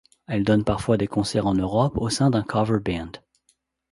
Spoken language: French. Elle donne parfois des concerts en Europe au sein d'un cover band.